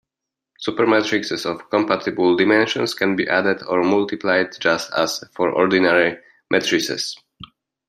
Supermatrices of compatible dimensions can be added or multiplied just as for ordinary matrices.